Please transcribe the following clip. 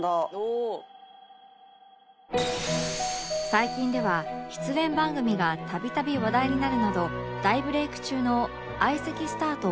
最近では出演番組が度々話題になるなど大ブレーク中の相席スタート